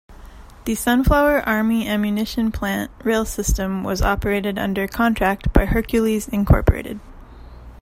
The Sunflower Army Ammunition Plant rail system was operated under contract by Hercules, Inc.